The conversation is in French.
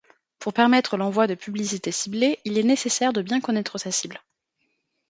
Pour permettre l'envoi de publicité ciblée, il est nécessaire de bien connaître sa cible.